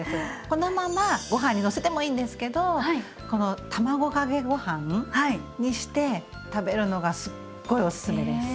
このままご飯にのせてもいいんですけどこの卵かけご飯にして食べるのがすっごいおすすめです！